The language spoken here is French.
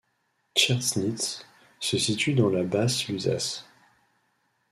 Tschernitz se situe dans la Basse-Lusace.